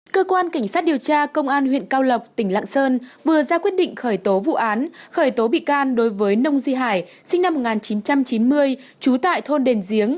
cơ quan cảnh sát điều tra công an huyện cao lộc tỉnh lạng sơn vừa ra quyết định khởi tố vụ án khởi tố bị can đối với nông duy hải sinh năm một nghìn chín trăm chín mươi trú tại thôn đền giếng